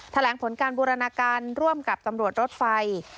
แถลงผลการบูรณาการร่วมกับตำรวจรถไฟ